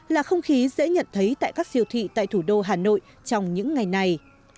là không khí dễ nhận thấy tại các siêu thị tại thủ đô hà nội trong những ngày này